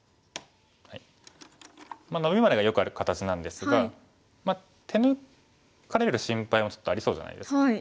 ノビまでがよくある形なんですが手抜かれる心配もちょっとありそうじゃないですか。